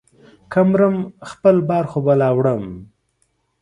که مرم ، خپل بار خو به لا وړم.